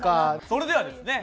それではですね